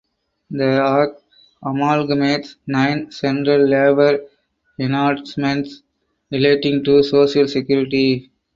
The act amalgamates nine central labour enactments relating to social security.